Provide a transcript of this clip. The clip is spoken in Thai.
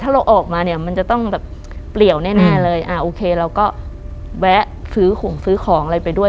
ถ้าเราออกมาเนี่ยมันจะต้องแบบเปลี่ยวแน่แน่เลยอ่าโอเคเราก็แวะซื้อของซื้อของอะไรไปด้วย